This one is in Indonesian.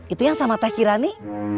itu yang sama tak kirani